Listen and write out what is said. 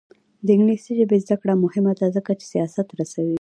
د انګلیسي ژبې زده کړه مهمه ده ځکه چې سیاست رسوي.